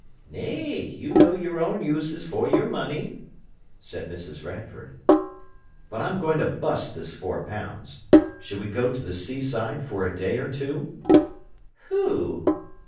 "Nay! you know your own uses for your money," said Mrs. Radford. "But I'm going to bust this four pounds. Should we go to the seaside for a day or two?" "Who?"